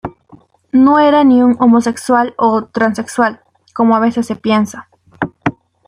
No era ni un homosexual o transexual, como a veces se piensa.